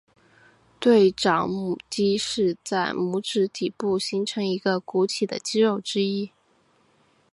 对掌拇肌是在拇指底部形成一个鼓起的肌肉之一。